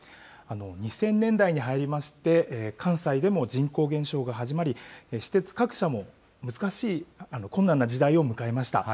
２０００年代に入りまして、関西でも人口減少が始まり、私鉄各社も難しい、困難な時代を迎えました。